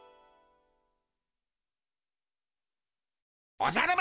おじゃる丸！